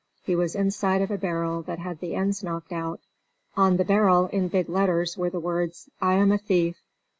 He was inside of a barrel that had the ends knocked out. On the barrel in big letters were the words: "I am a thief."